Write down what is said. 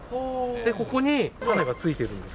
ここに種がついてるんです。